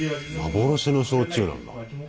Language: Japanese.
幻の焼酎なんだ。